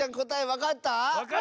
わかった！